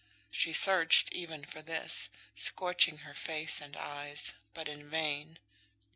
She searched even for this, scorching her face and eyes, but in vain.